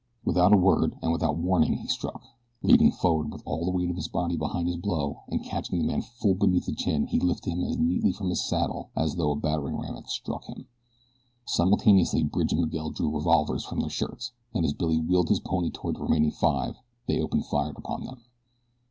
Without a word and without warning he struck, leaning forward with all the weight of his body behind his blow, and catching the man full beneath the chin he lifted him as neatly from his saddle as though a battering ram had struck him. Simultaneously Bridge and Miguel drew revolvers from their shirts and as Billy wheeled his pony toward the remaining five they opened fire upon them.